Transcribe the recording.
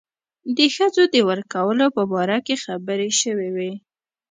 د ښځو د ورکولو په باره کې خبرې شوې وې.